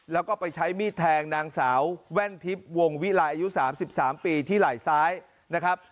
แล้วก็ไปใช้มีดแทงนางสาวแว่นทิพย์วงวิลัยอายุ๓๓ปีที่ไหล่ซ้ายนะครับ